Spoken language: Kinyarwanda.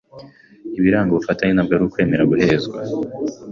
Ibiranga ubufatanye ntabwo ari ukwemera guhezwa.